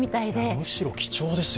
むしろ貴重ですよ。